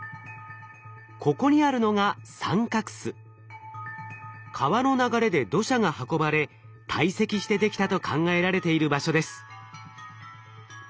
ここにあるのが川の流れで土砂が運ばれ堆積してできたと考えられている場所です。